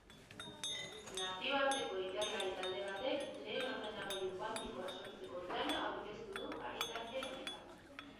Nazioarteko ikerlari talde batek lehen ordenagailu kuantikoa sortzeko plana aurkeztu du asteazken honetan.